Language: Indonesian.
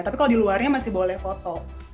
tapi kalau di luarnya masih boleh foto